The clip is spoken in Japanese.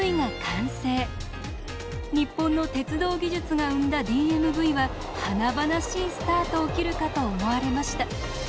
日本の鉄道技術が生んだＤＭＶは華々しいスタートを切るかと思われました。